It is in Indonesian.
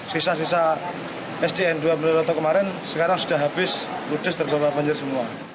sisa sisa sdn dua bendoroto kemarin sekarang sudah habis putus terdampak banjir semua